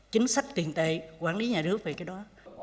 chính sách tiền tệ quản lý nhà nước về cái đó